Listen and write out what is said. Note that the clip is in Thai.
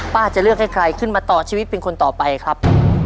จะเลือกให้ใครขึ้นมาต่อชีวิตเป็นคนต่อไปครับ